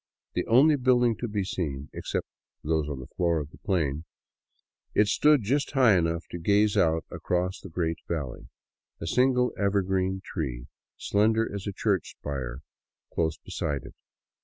The only building to be seen, except those on the floor of the plain, it stood just high enough to gaze out across the great valley, a single evergreen tree, slender as a church spire, close beside it.